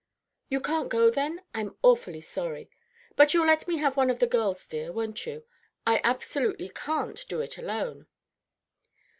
You can't go, then? I'm awfully sorry. But you'll let me have one of the girls, dear, won't you? I absolutely can't do it alone."